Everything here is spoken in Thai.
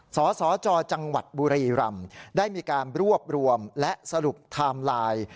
สศจบุรีรัมน์ได้มีการรวบรวมและสรุปไทม์ไลน์